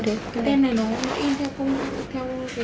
còn cái này em in nó sẽ dùng dường luôn